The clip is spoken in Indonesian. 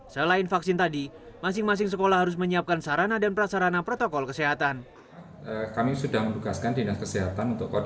selain vaksin tadi masing masing sekolah harus menyiapkan sarana dan prasarana protokol kesehatan